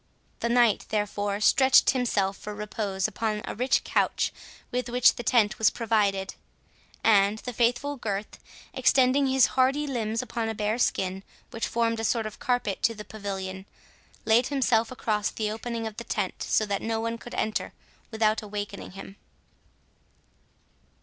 The knight, therefore, stretched himself for repose upon a rich couch with which the tent was provided; and the faithful Gurth, extending his hardy limbs upon a bear skin which formed a sort of carpet to the pavilion, laid himself across the opening of the tent, so that no one could enter without awakening him.